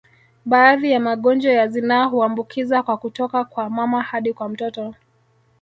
Baadhi ya magonjwa ya zinaa huambukiza kwa kutoka kwa mama hadi kwa mtoto